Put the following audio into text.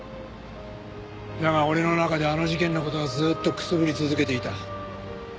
だが俺の中であの事件の事はずっとくすぶり続けていた。